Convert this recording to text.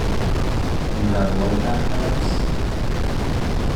You have a road map, perhaps?